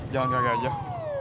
jangan kagak jauh